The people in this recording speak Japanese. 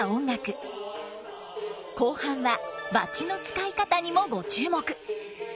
後半は撥の使い方にもご注目！